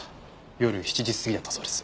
夜７時過ぎだったそうです。